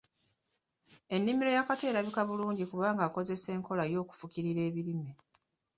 Ennimiro ya Kato erabika bulungi kubanga akozesa enkola y’okufukirira ebirime.